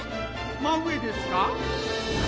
真上ですか！？